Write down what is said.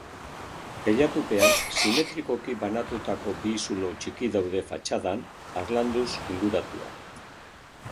Teilatupean, simetrikoki banatutako bi zulo txiki daude fatxadan, harlanduz inguratuak.